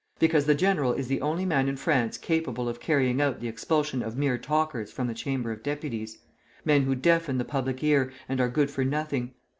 Because the general is the only man in France capable of carrying out the expulsion of mere talkers from the Chamber of Deputies, men who deafen the public ear, and are good for nothing.